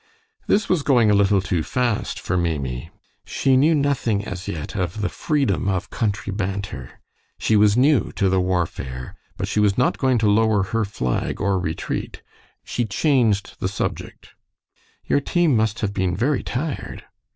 This was going a little too fast for Maimie. She knew nothing, as yet, of the freedom of country banter. She was new to the warfare, but she was not going to lower her flag or retreat. She changed the subject. "Your team must have been very tired."